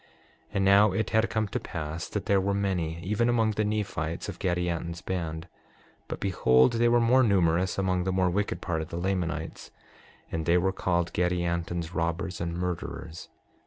And now it had come to pass that there were many, even among the Nephites, of Gadianton's band. But behold, they were more numerous among the more wicked part of the Lamanites. And they were called Gadianton's robbers and murderers.